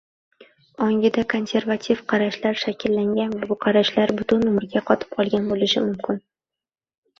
ongida konservativ qarashlar shakllangan va bu qarashlar butun umrga qotib qolgan bo‘lishi mumkin.